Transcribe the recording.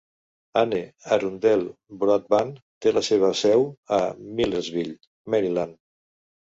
Anne Arundel Broadband té la seva seu a Millersville (Maryland).